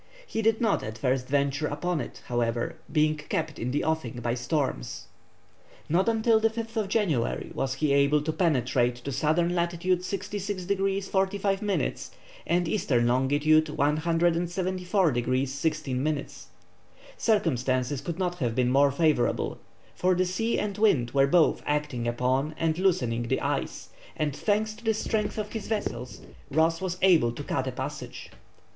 He did not at first venture upon it, however, being kept in the offing by storms. Not until the 5th January was he able to penetrate to S. lat. 66 degrees 45 minutes, and E. long. 174 degrees 16 minutes. Circumstances could not have been more favourable, for the sea and wind were both acting upon and loosening the ice, and thanks to the strength of his vessels, Ross was able to cut a passage.